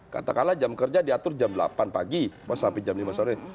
katakanlah jam kerja diatur jam delapan pagi sampai jam lima sore